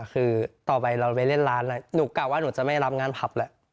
คือต่อไปเราไปเล่นร้านหนูกล่าวว่าหนูจะไม่รับงานพรรพแหละ